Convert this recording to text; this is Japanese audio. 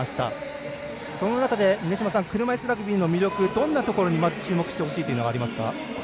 車いすラグビーの魅力、どんなところに注目してほしいというのがありますか？